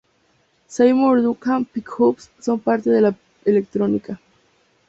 Seymour Duncan "Pick-Ups" son parte de la electrónica.